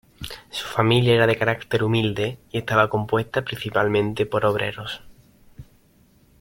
Su familia era de carácter humilde y estaba compuesta principalmente por obreros.